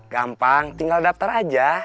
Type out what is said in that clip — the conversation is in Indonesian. gampang tinggal daftar aja